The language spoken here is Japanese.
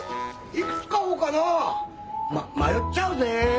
いくつ買おうかな迷っちゃうぜ。